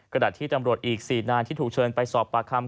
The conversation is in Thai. กระดับที่จำรวจอีก๔นานที่ถูกเชิญไปสอบประคำ